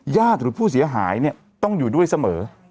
หรือผู้เสียหายต้องอยู่ด้วยเสมอ